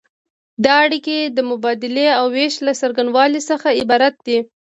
دا اړیکې د مبادلې او ویش له څرنګوالي څخه عبارت دي.